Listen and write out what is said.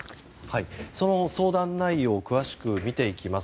その相談内容を詳しく見ていきます。